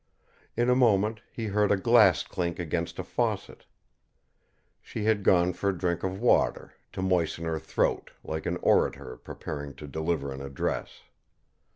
In a moment, he heard a glass clink against a faucet. She had gone for a drink of water, to moisten her throat, like an orator preparing to deliver an address.